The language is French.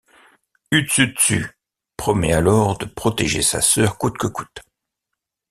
Utsutsu promet alors de protéger sa sœur coûte que coûte.